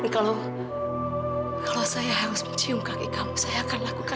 kalau saya harus mencium kaki kamu saya akan lakukan